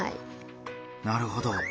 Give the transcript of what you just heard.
なるほど。